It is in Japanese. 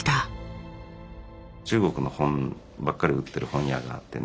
中国の本ばっかり売ってる本屋があってね